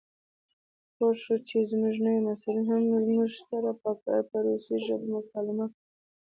پوه شوو چې زموږ نوي مسؤلین هم موږ سره په روسي ژبه مکالمه کوي.